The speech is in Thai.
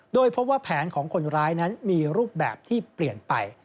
โดยพบว่าแผนของคนร้ายนั้นมีรูปแบบที่เปลี่ยนไป